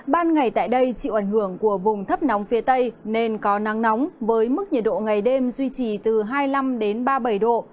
ban ngày tại đây chịu ảnh hưởng của vùng thấp nóng phía tây nên có nắng nóng với mức nhiệt độ ngày đêm duy trì từ hai mươi năm ba mươi bảy độ